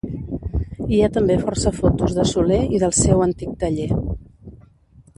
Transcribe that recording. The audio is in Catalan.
Hi ha també força fotos de Soler i del seu antic taller.